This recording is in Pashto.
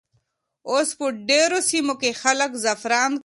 اوس په ډېرو سیمو کې خلک زعفران کري.